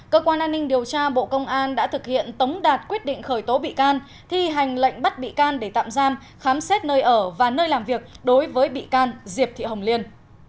cơ quan an ninh điều tra bộ công an đã thực hiện tống đạt quyết định khởi tố bị can thi hành lệnh bắt bị can để tạm giam khám xét nơi ở và nơi làm việc đối với bị can diệp thị hồng liên